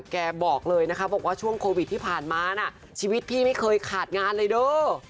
บอกเลยนะคะบอกว่าช่วงโควิดที่ผ่านมาน่ะชีวิตพี่ไม่เคยขาดงานเลยเด้อ